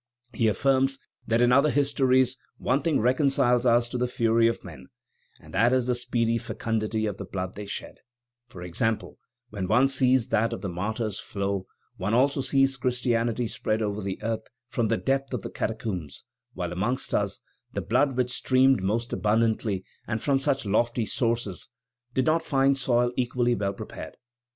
He affirms that in other histories one thing reconciles us to the fury of men, and that is the speedy fecundity of the blood they shed; for example, when one sees that of the martyrs flow, one also sees Christianity spread over the earth from the depth of the catacombs; while amongst us, the blood which streamed most abundantly and from such lofty sources, did not find soil equally well prepared.